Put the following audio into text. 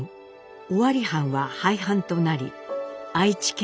尾張藩は廃藩となり愛知県となります。